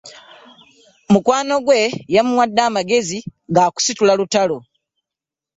Mukwano gwe yamuwadde amagezi ga kusitula lutalo.